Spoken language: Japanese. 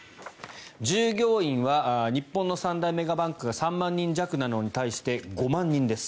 従業員は日本の三大メガバンクが３万人弱なのに対して５万人です。